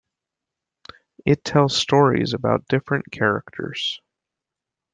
It tells stories about different characters.